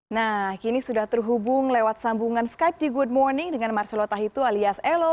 nah kini sudah terhubung lewat sambungan skype di good morning dengan marcelo tahitu alias elo